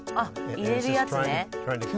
入れるやつね